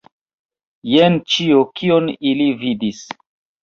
Jen ĉio, kion ili vidis.